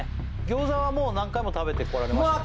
餃子はもう何回も食べてこられました？